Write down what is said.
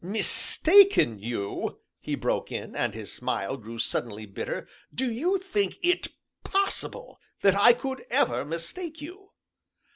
"Mistaken you," he broke in, and his smile grew suddenly bitter, "do you think it possible that I could ever mistake you?"